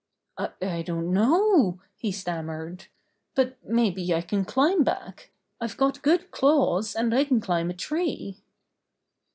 "I don't know," he stammered. "But may be I can climb back. I've got good claws, and I can climb a tree."